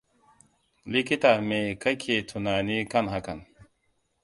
Likita me ka ke tunani kan hakan?